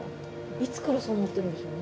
いつからそう思ってるんでしょうね？